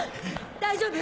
大丈夫？